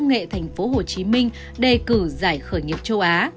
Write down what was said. công nghệ thành phố hồ chí minh đề cử giải khởi nghiệp châu á